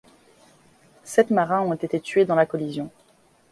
Sept marins ont été tués dans la collision.